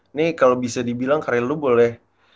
ini kalau bisa dibilang karir lu boleh